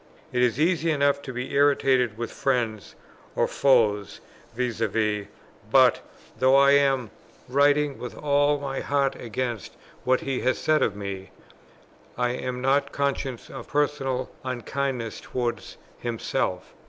It is easy enough to be irritated with friends or foes vis à vis; but, though I am writing with all my heart against what he has said of me, I am not conscious of personal unkindness towards himself.